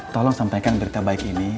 tolong sampaikan berita baik ini